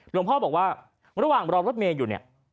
หลวงพ่อบอกว่าระหว่างรอรถเมย์อยู่เนี่ย